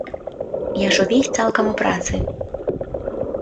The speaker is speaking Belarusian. Я ж увесь цалкам у працы!